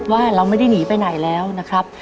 ว่าเราไม่ได้หนีไปไหนแล้วนะครับ